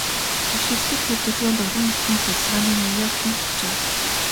Дэвшилтэт хөдөлгөөнд, орон нутгийн судалгааны Нью-Йоркийн товчоо